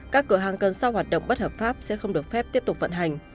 các cửa hàng cần sau hoạt động bất hợp pháp sẽ không được phép tiếp tục vận hành